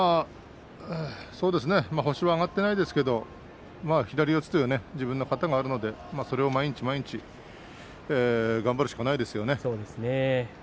星が挙がっていないですけれども左四つという自分の形があるのでそれを毎日毎日やって頑張るしかないですよね。